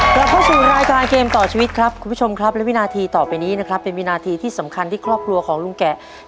กลับเข้าสู่รายการเกมต่อชีวิตครับคุณผู้ชมครับและวินาทีต่อไปนี้นะครับเป็นวินาทีที่สำคัญที่ครอบครัวของลุงแกะ